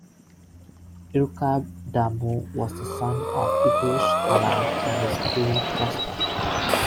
Irkab-Damu was the son of Igrish-Halam and his queen Kesdut.